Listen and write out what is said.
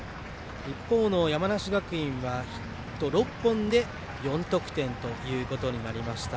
一方の山梨学院はヒット６本で４得点ということになりました。